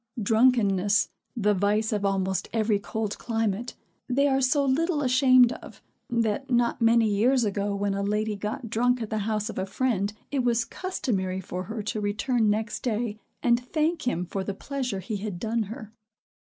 Drunkenness, the vice of almost every cold climate, they are so little ashamed of, that not many years ago, when a lady got drunk at the house of a friend, it was customary for her to return next day, and thank him for the pleasure he had done her.